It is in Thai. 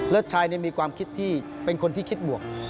ชายมีความคิดที่เป็นคนที่คิดบวก